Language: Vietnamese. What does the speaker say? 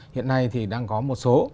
hiện nay thì đang có một số